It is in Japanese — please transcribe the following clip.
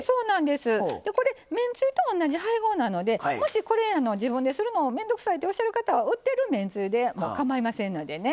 でこれめんつゆと同じ配合なのでもしこれ自分でするのも面倒くさいっておっしゃる方は売ってるめんつゆでもかまいませんのでね。